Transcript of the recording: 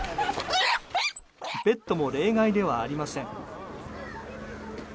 ペットも例外ではありません。